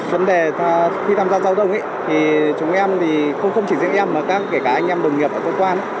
vấn đề khi tham gia giao thông thì chúng em thì không chỉ những em mà các anh em đồng nghiệp ở cơ quan